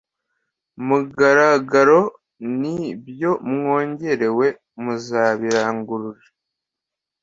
mugaragaro n ibyo mwongorewe muzabirangururire